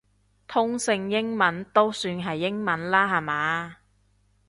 通勝英文都算係英文啦下嘛